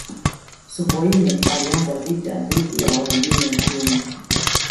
sokoine alianza vita dhidi ya wahujumu uchumi